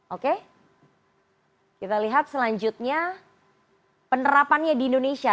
oke kita lihat selanjutnya penerapannya di indonesia